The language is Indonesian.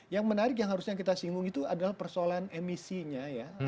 yang menarik yang harusnya kita singgung itu adalah persoalan emisinya ya